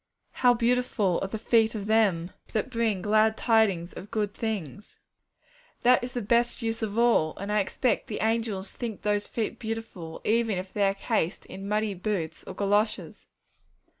'How beautiful are the feet of them that bring glad tidings of good things!' That is the best use of all; and I expect the angels think those feet beautiful, even if they are cased in muddy boots or goloshes.